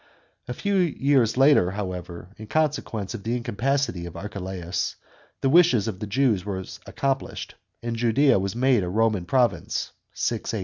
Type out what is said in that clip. A few years later, however, in consequence of the incapacity of Archelaus, the wishes of the Jews were accomplished, and Judea was made a Boman province (6 A.